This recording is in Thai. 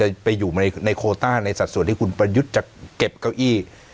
จะไปอยู่ในโคต้าในสัดส่วนที่คุณประยุทธ์จะเก็บเก้าอี้